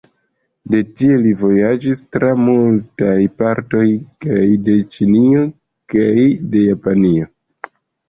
De tie li vojaĝis tra multaj partoj kaj de Ĉinio kaj de Japanio.